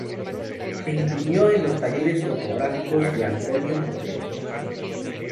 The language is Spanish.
Se imprimió en los talleres tipográficos de Antonio Otero.